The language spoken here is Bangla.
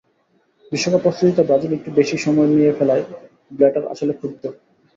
বিশ্বকাপ প্রস্তুতিতে ব্রাজিল একটু বেশিই সময় নিয়ে ফেলায় ব্ল্যাটার আসলে ক্ষুব্ধ।